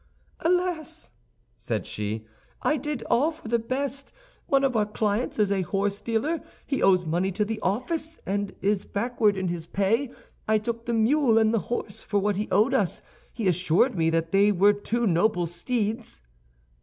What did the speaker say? "Alas," said she, "I did all for the best! One of our clients is a horsedealer; he owes money to the office, and is backward in his pay. I took the mule and the horse for what he owed us; he assured me that they were two noble steeds."